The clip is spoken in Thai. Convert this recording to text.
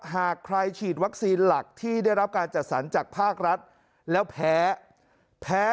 หากใครฉีดวัคซีนหลักที่ได้รับการจัดสรรจากภาครัฐแล้วแพ้แพ้